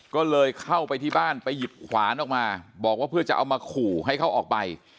ก็เลยเข้าไปที่บ้านไปหยิบขวานออกมาบอกว่าเพื่อจะเอามาขู่ให้เขาออกไป